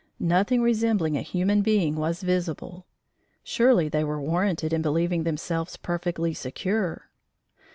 Nothing resembling a human being was visible. Surely they were warranted in believing themselves perfectly secure.